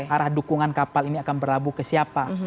arah dukungan kapal ini akan berlabuh ke siapa